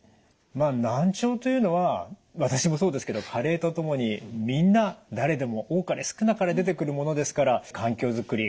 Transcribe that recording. まあ難聴というのは私もそうですけど加齢とともにみんな誰でも多かれ少なかれ出てくるものですから環境づくり